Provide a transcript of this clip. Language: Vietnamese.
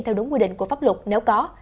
theo đúng quy định của pháp luật nếu có